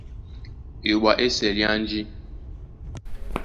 Eyoɓo á ésɛl é anji.